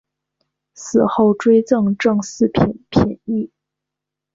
死后追赠正四位品秩。